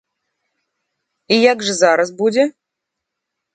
І як жа зараз будзе?